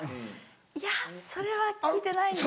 いやそれは聴いてないです。